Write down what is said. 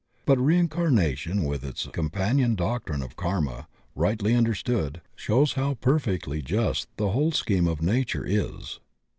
But reincarnation, with its com panion doctrine of Karma, rightly understood, shows how perfectly just the whole scheme of nature is.